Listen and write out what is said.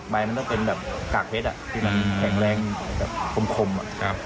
มันก็เป็นแบบกากเพชรที่มันแข็งแรงแบบคมอะ